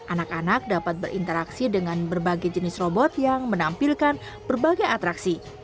anak anak dapat berinteraksi dengan berbagai jenis robot yang menampilkan berbagai atraksi